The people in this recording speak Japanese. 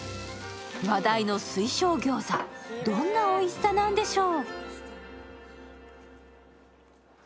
話題の水晶餃子、どんなおいしさなんでしょう。